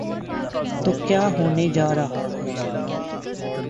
تو کیا ہونے جا رہا ہے؟